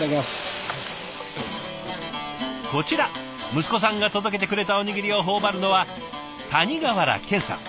こちら息子さんが届けてくれたおにぎりを頬張るのは谷川原健さん。